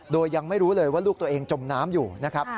โดยยังไม่รู้เลยว่าลูกตัวเองจมน้ำอยู่นะครับ